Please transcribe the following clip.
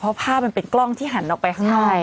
เพราะภาพมันเป็นกล้องที่หันออกไปข้างนอก